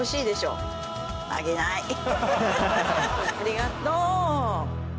ありがとう。